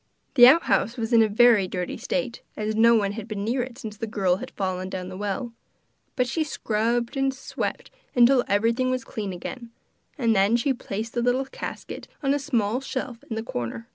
The outhouse was in a very dirty state, as no one had been near it since the girl had fallen down the well; but she scrubbed and swept till everything was clean again, and then she placed the little casket on a small shelf in the corner.